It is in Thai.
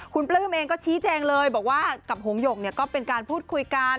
คุณปลื้มเองก็ชี้แจงเลยบอกว่ากับหงหยกเนี่ยก็เป็นการพูดคุยกัน